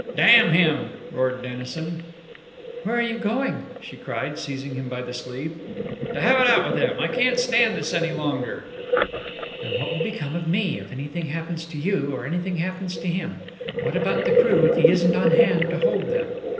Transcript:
"Damn him!" roared Dennison. "Where are you going?" she cried, seizing him by the sleeve. "To have it out with him! I can't stand this any longer!" "And what will become of me if anything happens to you, or anything happens to him? What about the crew if he isn't on hand to hold them?"